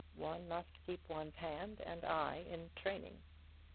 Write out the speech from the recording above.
One must keep one's hand and eye in training.